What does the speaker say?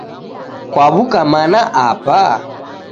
kwaw'uka mana apa?